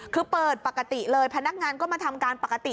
คือเปิดปกติเลยพนักงานก็มาทำการปกติ